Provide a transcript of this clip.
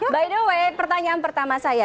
by the way pertanyaan pertama saya